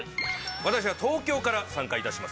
私は東京から参加いたします。